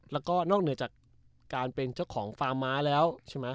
และก็นอกเหนือจากเป็นเจ้าของฟาร์มมาแล้ว